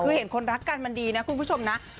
คือเห็นคนรักกันมันดีนะคุณผู้ชมนะ